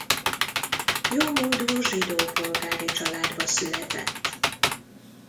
Jómódú zsidó polgári családba született.